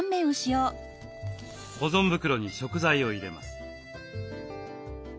保存袋に食材を入れます。